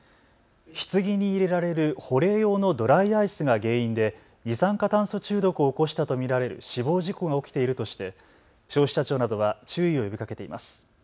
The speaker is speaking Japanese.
ひつぎに入れられる保冷用のドライアイスが原因で二酸化炭素中毒を起こしたと見られる死亡事故が起きているとして消費者庁などは注意を呼びかけています。